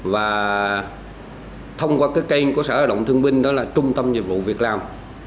và thông qua cái kênh của xã lao động thương minh đó là trung tâm dịch vụ việc làm